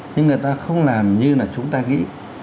nhưng người ta không làm như là chúng ta nghĩ